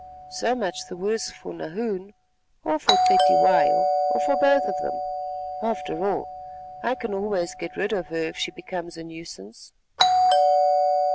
So much the worse for Nahoon, or for Cetywayo, or for both of them. After all, I can always get rid of her if she becomes a nuisance."